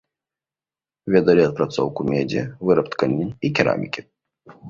Ведалі апрацоўку медзі, выраб тканін і керамікі.